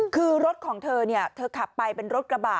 คือรถของเธอเธอขับไปเป็นรถกระบะ